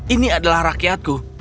ini adalah rakyatku